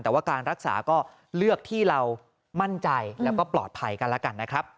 แต่ว่าการรักษาก็เลือกที่เรามั่นใจแล้วก็ปลอดภัยกันแล้วกันนะครับ